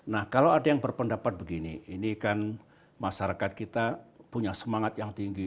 nah kalau ada yang berpendapat begini ini kan masyarakat kita punya semangat yang tinggi